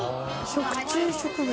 食虫植物。